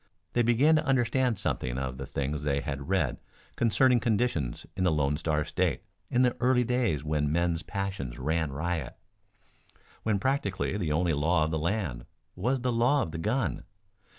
They began to understand something of the things they had read concerning conditions in the Lone Star State in the early days when men's passions ran riot; when practically the only law of the land was the law of the gun.